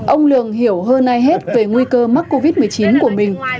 ông lường hiểu hơn ai hết về nguy cơ mắc covid một mươi chín của mình